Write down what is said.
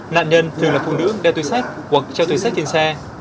nạn nhân thường là phụ nữ đeo tuyên sách hoặc treo tuyên sách trên xe